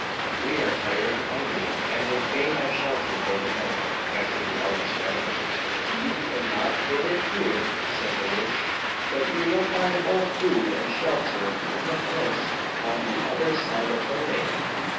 'We are tired and hungry, and would fain have shelter for the night,' answered the eldest brother. 'You cannot get it here,' said the witch, 'but you will find both food and shelter in the palace on the other side of the lake.